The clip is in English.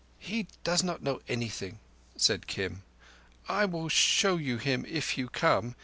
"He does not know anything," said Kim. "I will show you him if you come.